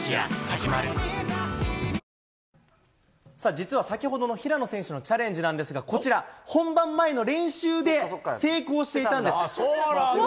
実は先ほどの平野選手のチャレンジなんですが、こちら、本番前の練習で成功していたんでそうなんだ。